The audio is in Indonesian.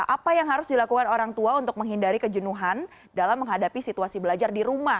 apa yang harus dilakukan orang tua untuk menghindari kejenuhan dalam menghadapi situasi belajar di rumah